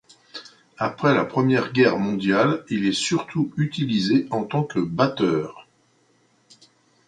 Après la Première Guerre mondiale, il est surtout utilisé en tant que batteur.